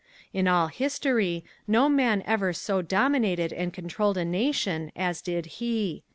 In all history no man ever so dominated and controlled a nation as did he.